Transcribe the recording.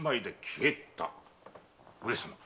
上様